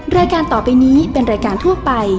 รายการต่อไปนี้เป็นรายการทั่วไป